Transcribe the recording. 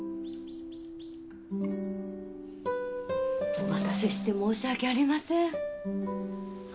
お待たせして申し訳ありません。